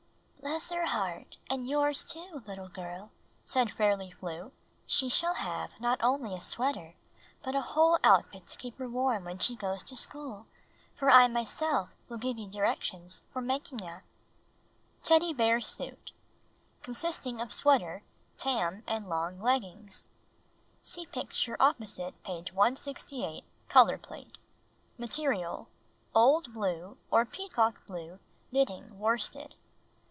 "Bless her heart— and yours, too, httle girl," said Fairly Flew; "she shall have not only a sweater, but a whole outfit to keep her warm when she goes to school, for I myself will give you directions for making a — Teddy Bear Suit Consisting of Sweater, Tarn, and Long Leggings (See picture opposite page 168 — color plate.) Material: "Old blue" or peacock blue knitting worsted.